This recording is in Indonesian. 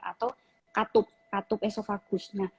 atau katup katup esophageal sphincter